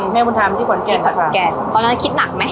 แม่บุญธรรมที่ขวัญแก่ค่ะตอนนั้นคิดหนักไหม